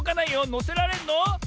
のせられるの？